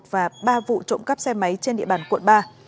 và ba vụ trộm cắp xe máy trên địa bàn quận ba